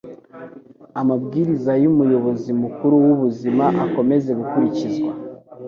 amabwiriza y’umuyobozi mukuru w’ubuzima akomeze gukurikizwa.